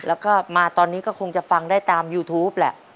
แล้วก็มาตอนนี้ก็คงจะฟังได้ตามยูทูปแหละ